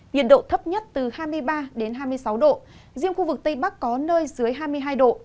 nhiệt độ thấp nhất từ hai mươi ba đến hai mươi sáu độ riêng khu vực tây bắc có nơi dưới hai mươi hai độ